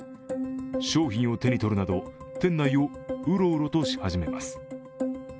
商品を手にとるなど、店内をうろうろとし始めます。